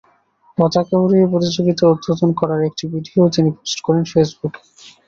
পতাকা উড়িয়ে প্রতিযোগিতা উদ্বোধন করার একটি ভিডিও তিনি পোস্ট করেন ফেসবুকে।